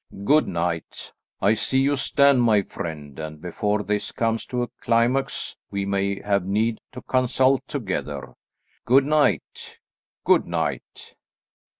Good night. I see you stand my friend, and before this comes to a climax we may have need to consult together. Good night; good night!"